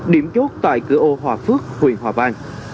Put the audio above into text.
điểm chốt tại cửa ô hòa phước huyện hòa vang